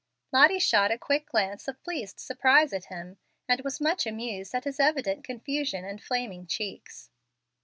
Lottie shot a quick glance of pleased surprise at him, and was much amused at his evident confusion and flaming cheeks.